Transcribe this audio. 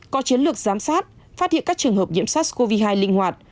có chiến lược giám sát phát hiện các trường hợp nhiễm sars cov hai linh hoạt